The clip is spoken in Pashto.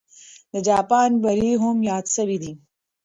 د جاپان بری هم یاد سوی دی.